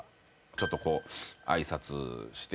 ちょっと挨拶して。